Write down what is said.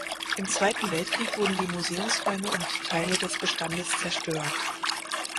Im Zweiten Weltkrieg wurden die Museumsräume und Teile des Bestandes zerstört.